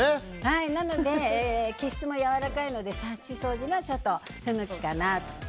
なので、毛質もやわらかいのでサッシ掃除にはちょっと不向きかなと。